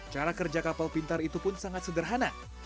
cara kerja kapal pintar itu pun sangat sederhana